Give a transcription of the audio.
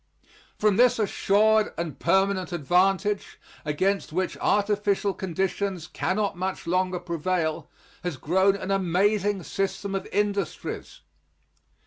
From this assured and permanent advantage, against which artificial conditions cannot much longer prevail, has grown an amazing system of industries.